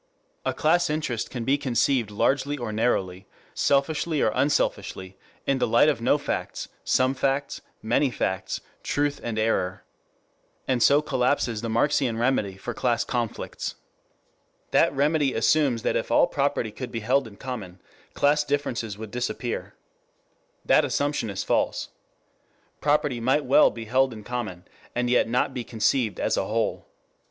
A class interest can be conceived largely or narrowly, selfishly or unselfishly, in the light of no facts, some facts, many facts, truth and error. And so collapses the Marxian remedy for class conflicts. That remedy assumes that if all property could be held in common, class differences would disappear. The assumption is false. Property might well be held in common, and yet not be conceived as a whole.